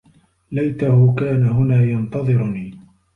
ليته كان هنا ينتظرني.